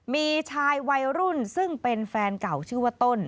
มีชายวัยรุ่นซึ่งเป็นแฟนเก่าชื่อว่าต้น